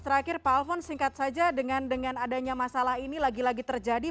terakhir pak alphon singkat saja dengan adanya masalah ini lagi lagi terjadi